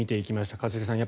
一茂さん